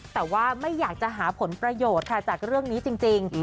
แต่ว่าไม่อยากจะหาผลประโยชน์ค่ะจากเรื่องนี้จริง